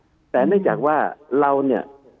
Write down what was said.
คุณหมอประเมินสถานการณ์บรรยากาศนอกสภาหน่อยได้ไหมคะ